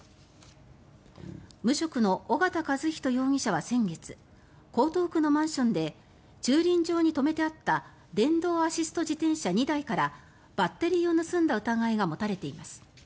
無職の小形一仁容疑者は先月江東区のマンションで駐輪場に止めてあった電動アシスト自転車２台からバッテリーを盗んだ疑いが持たれています。